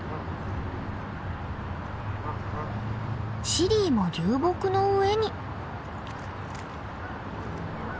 シリーも流木の上に。